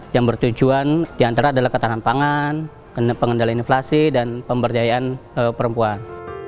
yang bertujuan diantara adalah ketahanan pangan pengendalian inflasi dan pemberdayaan perempuan